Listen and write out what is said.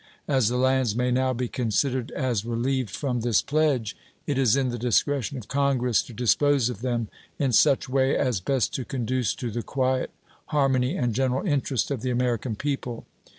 As the lands may now be considered as relieved from this pledge, it is in the discretion of Congress to dispose of them in such way as best to conduce to the quiet, harmony, and general interest of the American people.